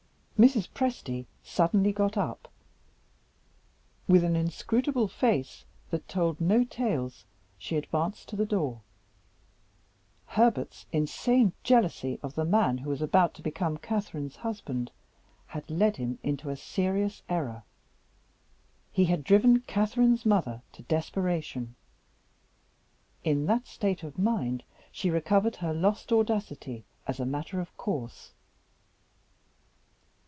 Mrs. Presty suddenly got up. With an inscrutable face that told no tales, she advanced to the door. Herbert's insane jealousy of the man who was about to become Catherine's husband had led him into a serious error; he had driven Catherine's mother to desperation. In that state of mind she recovered her lost audacity, as a matter of course.